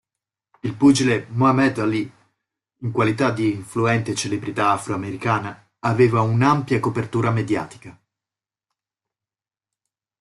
Il pugile Muhammad Ali, in qualità di influente celebrità afroamericana, aveva un'ampia copertura mediatica.